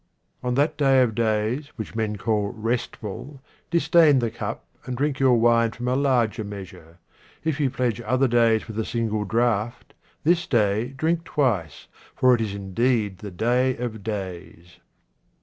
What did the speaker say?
Ox that day of days which men call restful, disdain the cup and drink your wine from a larger measure. If you pledge other days with a single draught, this day drink twice, for it is indeed the day of days.